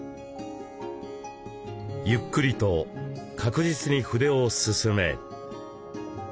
ゆっくりと確実に筆を進め。